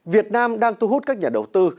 việt nam đang thu hút các nhà đầu tư